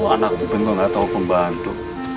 anak bener gak tahu pembantu